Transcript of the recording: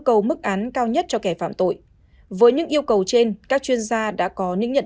cầu mức án cao nhất cho kẻ phạm tội với những yêu cầu trên các chuyên gia đã có những nhận